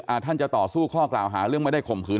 ท่านจะต่อสู้ข้อกล่าวหาเรื่องไม่ได้ข่มขืน